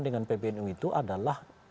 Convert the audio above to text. dengan ppnu itu adalah